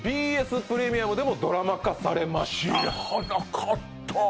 プレミアムでもドラマ化されました